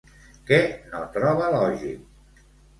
Què no troba lògic?